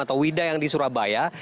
atau wida yang di surabaya